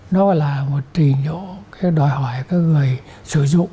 nó là một trình độ đòi hỏi các người sử dụng